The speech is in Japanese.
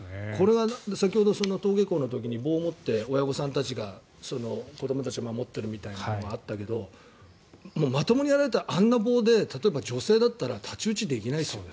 先ほどの登下校の時に棒を持って親御さんたちが子どもたちを守ってるみたいなのがあったけどもうまともにやられたらあんな棒で例えば女性だったら太刀打ちできないですよ。